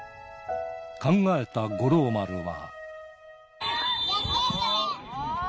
考えた五郎丸は。